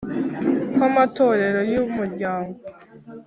Kw amatorero y umuryango